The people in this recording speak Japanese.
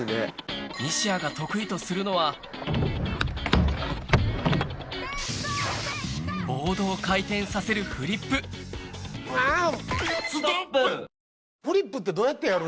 西矢が得意とするのはボードを回転させるフリップあぁ！